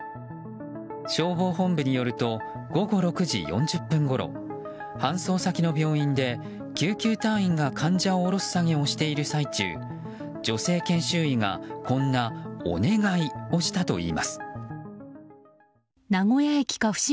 消防本部によると午後６時４０分ごろ搬送先の病院で救急隊員が患者を降ろす作業をしている最中、女性研修医がこんなお願いをしたといいます。